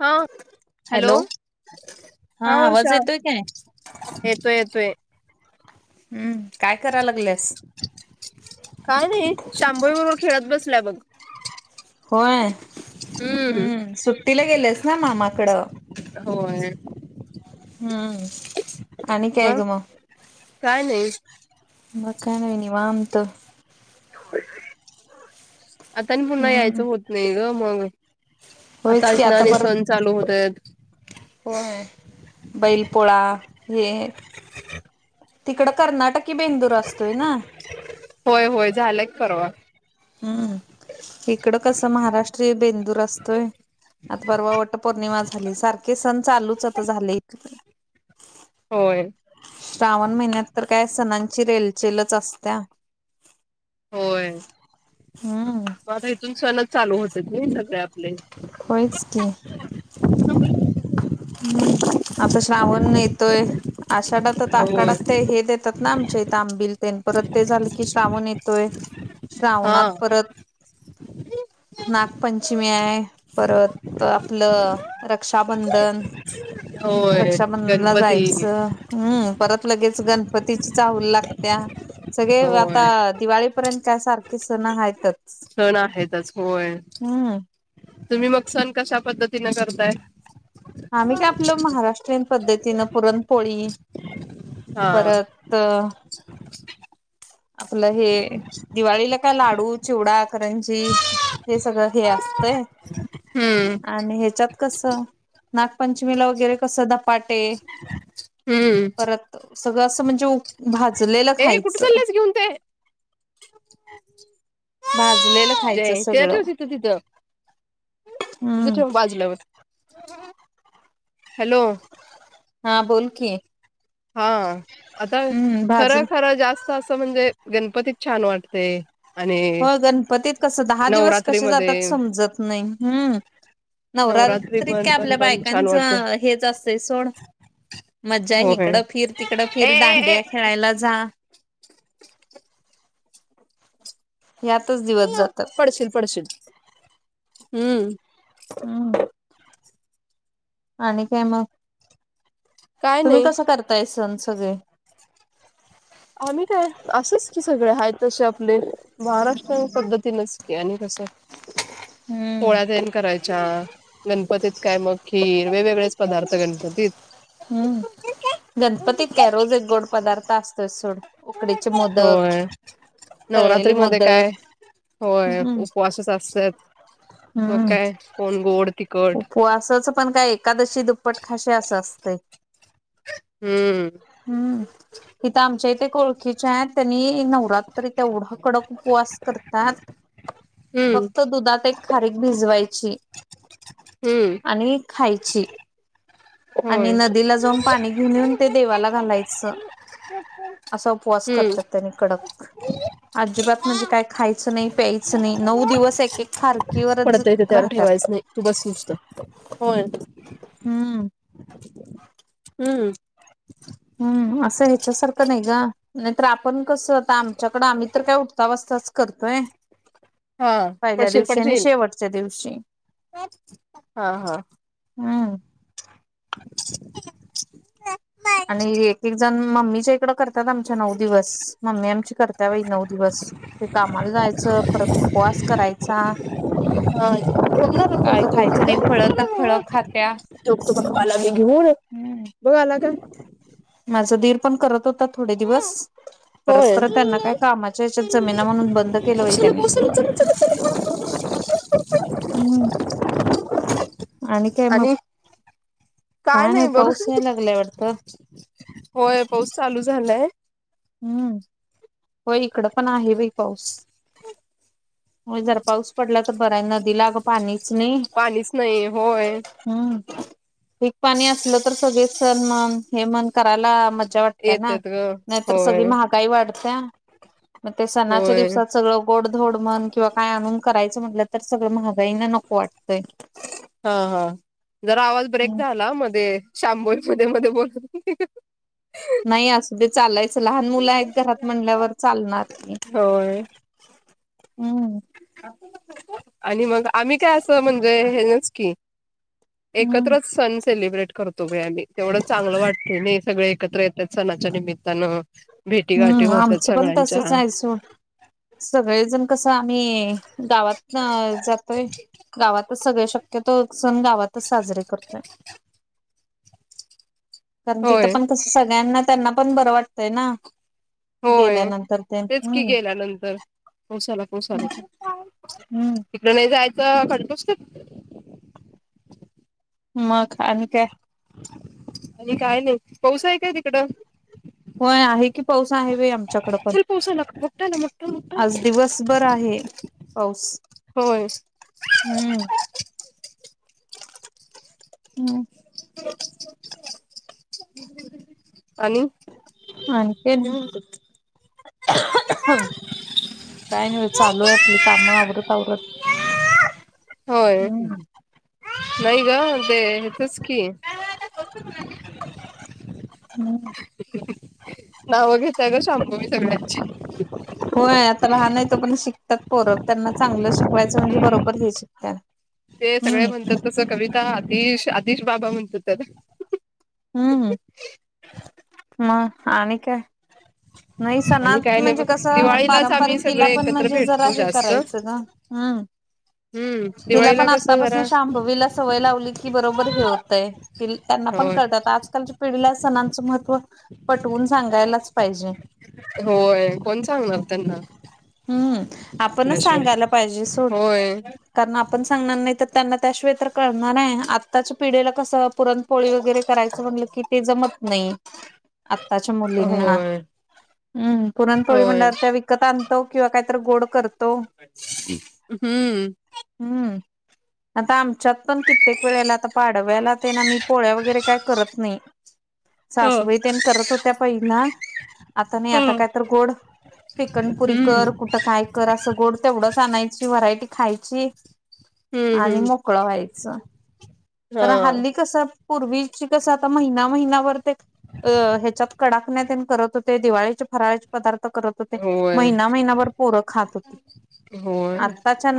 हा हॅलो हा आवाज वर्षा येतोय काय येतो येतो हम्म काय करा लागलेस काय नाही शांभोई बरोबर खेळत बसलाय बघ होय हम्म सुट्टीला गेलंस ना मामाकडं होय हम्म आणिन मग कायकम काय नाही मकाननी वमत आता आणि पुन्हा हम्म यायचं होत नाही ग मग आता होयच की नाणे सण चालू होत आहेत हो आहे बैलपोळा हे तिकड कर्नाटकी बेंगलूरू असतोय ना होय होय झालं परवा हम्म इकडं कसं महाराष्ट्रीय बेंदूर असतोय आता परवा वट पौर्णिमा झाली सारखे सण चालूच आता झाले होय श्रावण महिन्यात तर काय सणांची रेल-चेलच असत्या होय हम्म मग आता इथून सणच चालू होतात नाही सगळे आपले होयच की हम्म आता श्रावण येतोय आषाढात होय आकाडात ते हे देता ात ना आमच्या इथ आंबील तेन परत ते झालं की श्रावण येतोय हा श्रावणात परत नागपंचमी आहे परत आपलं रक्षाबंधन होय रक्षाबंधनला गणपती जायचं हम्म परत लगेच गणपतीची चाहूल लागत्या सगळे आता होय दिवाळी पर्यंत काय सारखे सण आहेत सण आहेतच होय. तुम्ही मग सण कशा पद्धतीन करताय आम्ही काय आपलं महाराष्ट्रीयन पद्धतीनं पुरणपोळी हा परत तर आपलं हे दिवाळीला काय लाडू, चिवडा, करंजी हे सगळं ध्येय असतंय हम्म आणि हेच्यात कसं नागपंचमीला वगैरे कसं धपाटे हम्म परत सगळं असं म्हणजे ऊ भाजलेलं ए कुठे खायचं चाललेस घेऊन ते भाजलेलं खायचं जय ते सगळं ठेव तिथं तिथं तिथं हम्म ठेव बाजूलावत हॅलो हा बोल की हा आता हम्म भाजल खरं खरं जास्त असं म्हणजे गणपतीत छान वाटते आणि हो गणपतीत कसं दहा दिवस कसे नवरात्रीमध्ये जातात समजत नाही हम्म नवरात्री नवरात्रीत काय पण पण आपल्या पण छान वाटते बायकांचं हेच असतंय सोड. मज्जा! होय इकडं फिर तिकडं ए फिर ए दांडिया ए खेळायला जा यातच दिवस.... जातात पडशील पडशील हम्म! हम! आणि काय मग? काय तुम्ही नाही कसं करताय सण सगळे? आम्ही काय असंच की सगळे आहेत तसे आपले. महाराष्ट्र पद्धतीनच की आणि कसं? ह. पोळ्या तेन करायच च्या गणपतीत काय मग खीर वेगवेगळेच पदार्थ गणपतीत हम्म! गणपतीत काय रोज एक गोड पदार्थ असतोच सोड उकडीचे मोदक होय तळलेले नवरात्री मध्ये काय? मोदक होय हम्म. उपवासच असतात मग काय कोण गोड, तखट होय असच पण काय एकादशी दुप्पट खाशीे असं असतं. हम्म! हम्म! इथ आमच्या इथे एक ओळखीच्या आहेत त्यांनी नवरात्री तेवढा कडक उपवास करतात. हम्म फक्त दुधात एक खारीक भिजवायची. हम्म! आणि खायची आणि होय नदीला जाऊन पाणी घेऊन येऊन ते देवाला घालायचं ह् हम असा उपवास करतात त्यांनी कडक अजिबात म्हणजे काय खायचं नाही प्यायचं नाही नऊ दिवस एक एक खार पडत इथे त्यावर ठेवायच नाही तू बस नुसत होय हम्म अ हम्म हम्म असं ह्याच्यासारखं नाही ग नाहीतर आपण कसं आता आमच्याकडं आम्ही तर काय उठता बसताच करतोय हा पहिल्या पडशील दिवशी आणि पडशील शेवटच्या दिवशी हा हा हम् [inaudible] आणि एक एक जण मम्मीच्या इकड कर आतात आमच्या नऊ दिवस मम्मी आमची करत्या बाई नऊ दिवस ते कामाला जायचं परत उपवास करायचा हा काय खायचं नाही फळ तर फळ खात्या ह बगाला का माझं दीर पण करत होता थोडे दिवस परत होय परत त्यांना काय कामाच्या याच्यात जमिना म्हणून बंद केलं बाई त्यांनी च च हम् आणि काय मग काय नाही पाऊस यायला लागलाय वाटत होय पाऊस चालू झालाय हम्म होय इकडं पण आहे बाई पाऊस हो जर पाऊस पडला तर बरा आहे नदीला अगं पाणीच नाही पाणीच नाही होय हम्म पीक पाणी असलं तर सगळे सण मन हे मन करायला मज्जा वाटते ना येतेत ग नाहीतर सगळी होय महागाई वाढत्या मग ते सणाच्या होय दिवसात सगळं गोडधोड म्हण किंवा काय आणून करायचं म्हटलं तर सगळं महागाईन नक को वाटतंय. हा हा जरा आवाज ब्रेक झाला मध्ये शांभोई मध्ये मध्ये बोलत होती. नाही असु दे चालायचं लहान मुलं आहेत घरात म्हणल्यावर चालणार की. होय हम्म. आणि मग आम्ही काय असं म्हणजे हेच की हम्म एकत्रच सण सेलिब्रेट करतो बाई आम्ही तेवढं चांगलं वाटते नाही सगळे एकत्र येतात सणाच्या निमित्तानं. भेटीगाठी हम्म होतात आमचं पण सगळ्यांच्या तसच आहेयचं व्हय. सगळेजण कस आम्ही गावातन जातोय गावात. त सगळे शक्यतो सण गावातच साजरे करतोय. कारण तिथं होय पण कस सगळ्यांना त्यांना पण बरं वाटतंय ना. होय गेल्यानंतर ते तेच की हम्म गेल्या नंतर पाउस आला पाऊस आला चल. हम्म तिकडे नाही जायचं खडे टूसतात. मग आणि काय? आणि काय नाही पाऊस आहे काय तिकडं? होय आहे की पाऊस आहे बाई आमच्याकडे पण चल पोसायला मोठा ना मोठा मोठा आज दिवसभर आहे. पाऊस. होय. हम्म हम्म. आणि? आणखीन? काय नाही चालू आहे आपली कामं आवरत आवरत. होय. हम्म नाही ग ते हयाचच की. हम्म. नाव घेताय का शांभवी सगळ्यांचे? होय आता लहान आहे तोपर्यंत शिकतात पोरक त्यांना चांगलं शिकवायचं म्हणजे बरोबर हे शिकतात. ते सगळे हम्म. म्हणत्यात तस कविता आतिश आतिश दादा म्हणतात त्या दा. हम्म म आणि काय? नाही आणि सणात काय नाही म्हणजे बघ कसं दिवाळीलाच आम्ही पारंपरिक तिला सगळे पण एकत्र म्हणजे जरा भेटतो हे जास्त करायचं ना हम्म. हम्म. तिला दिवाळीला पण कसं आत्तापासून जरा शांभवीला सवय लावली की बरोबर हे होतंय. तिल त्यांना पण होय कळतात आजकालच्या पिढीला सणांचं महत्त्व पटवून सांगायलाच पाहिजे. होय कोण सांगणार त्यांना. हम्म आपणच आपल्याशिवाय सांगायला पाहिजे सोड. होय कारण आपण सांगणार नाही त त्यांना त्याशिवाय तर कळणार आहे आत्ताच्या पिढीला कसं पुरण पोळी वगैरे करायचं म्हणलं की ते जमत नाही. आत्ताच्या मुलींना होय हम्म पुरणपोळी होय म्हंणल्यावर त्या विकत आण तो किंवा काही गोड करत हम्म. हम्म आता आम च्यात पण कित्येक वेळेला आता पाडव्याला ते न मी पोळ्या वगैरे काय करत नाही. ह सासूबाई तेन करत होत्या पहिला. आता नाही ह आता काय तर गोड श्रीखंड पुरी हम्म कर कुठं काय करा असं गोड तेवढंच आणायची व्हरायटी खायची हम्म आणि हम्म मग कुळा व्हायच कारण हा. हल्ली कस पूर्वीची कस आता महिना महिना भर ते अ ह्याच्यात कडाकण्या तेन करत होते दिवाळीचे फराळचे पदार्थ करत होते. होय महिना महिनाभर पोर खातं होते. होय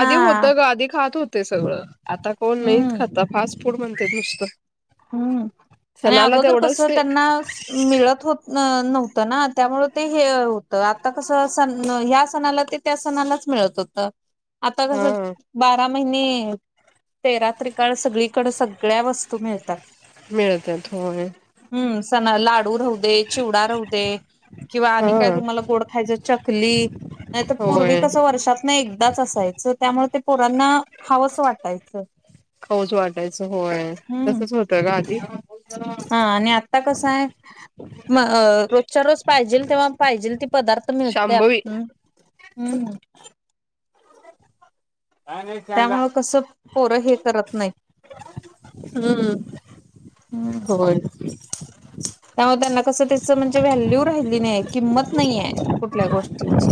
आधी होत ग आधी खात होते सगळं आता कोण नाहीत हम्म खाता फास्ट फूड म्हणतेत नुसतं. हम्म आणि सणाला अगोदर तेवढंच कसं ते त्यांना मिळत होत न नव्हतं ना त्यामुळे ते हे होतं आता कसं सण ह्या सणाला ते त्या सणालाच मिळत होत. त आता हा कसं बारा महिने तेरा त्रिकाळ सगळीकडे सगळ्या वस्तू मिळतात. मिळत्यात होय. हम्म सणा लाडू राह दे, चिवडा राह दे किंवा हा आणि काय तुम्हाला गोड खायचं चकली नाही तर पूर्वी होय कसं वर्षात नाही एकदाच असायचं त्यामुळे ते पोरांना खावचं वाटायचं. खाऊच वाटायचं होय हम्म तसच होतं गं आदी. हा आणि आता कसं आहे म रोजच्या रोज पाहिजेल तेव्हा पाहिजेल ती पदार्थ मिळत्यात शांभवी हम्म हम्म. काय नाही त्यांना त्यामुळं कसं पोरं हे करत नाही. हम्म हम्म होय. त्यामुळे त्यांना कसं त्याचा म्हणजे व्हॅल्यू राहिली नाही किंमत नाहीये कुठल्या गोष्टीची.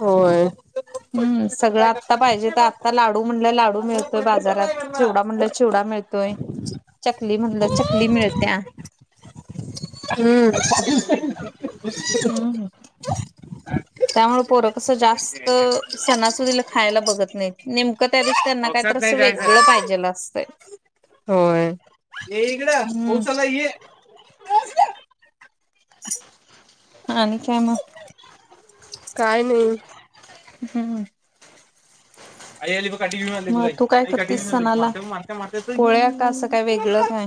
होय. हम्म असं सगळं आत्ता पाहिजे तर आत्ता लाडू म्हणलं लाडू मिळतोय पडलं तर बाजारात काय करणार? चिवडा म्हणलं चिवडा मिळतोय चकली म्हणलं चकली मिळत्या हम्म. हम्म हम्म त्यामुळे पोरं कसं जास्त सणासुदीला खायला बघत नाही नेमकं त्या दिवशी त्यांना काय तर पावसात नाही असं जायचं. वेगळ पाहिजेल असतंय. होय. हम्म आणि काय मग? काय नाही. हम्म. मग तू काय [unintelligible] त्या का असं काय वेगळं काय?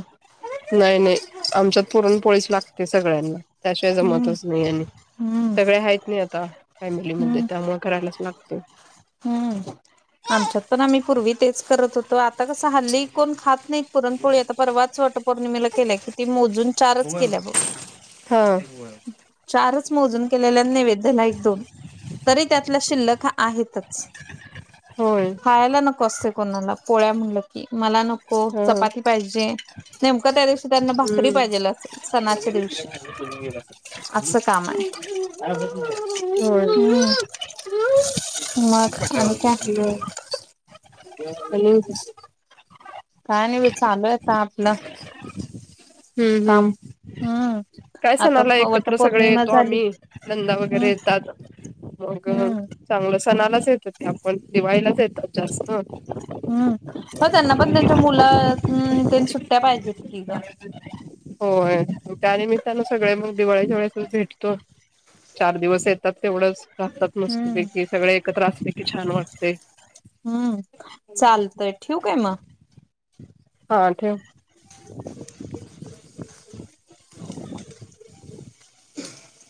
नाही-नाही आमच्यात पुरण पोळीस लागते सगळ्यांना. त्या शिवाय हम्म जमतच नाही आणि हम्म सगळे हायेत नी आता फॅमिलीमध्ये हम्म त्यामुळे करायलाच लागते. हम्म आमच्यात पण आम्ही पूर्वी तेच करत होतो आता क सं हल्ली कोण खात नाहीत पुरणपोळी आता परवाच वट पौर्णिमेला केल्याय किती मोजून हा चारच केल्या ब. होय चारच मोजून केलेल्या नैवेद्याला एक-दोन तरी त्यातला शिल्लक आहेत. हा खायला नको असते कोणाला पोळ्या म्हटलं की मला न चपाती पाहिजे नेमकं त्या दिवशी त्यांना भाकरी हम्म पाहिजेल सणाच्या दिवशी. असं काम आहे हम्म होय मग आणि काय? हॅलो काय नी वी चालत आपला हम्म. काम हम्म. काय सणा आता आला एकत्र सगळे वटपौर्णिमा येतो झाली आम्ही नंदा हम्म वगैरे येतात. मगं हम्म चांगलं सणालाच येत होते आपण दिवाळीलाच येतात जास्त. हम्म म त्यांना पण त्यांच्या मुला हम्म तेन सुट्टया पाहिजेत की गं. होय त्या निमित ताने सगळे मग दिवाळी जवाळेतच भेटतो चार दिवस येतात तेवढंच राहतात हम्म मस्तपैकी सगळे एकत्र असते की छान वाटते. हम्म चालतंय ठेवू काय मग? हा ठेव. ह [inaudible]